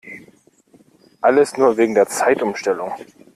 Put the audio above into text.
Alles nur wegen der Zeitumstellung!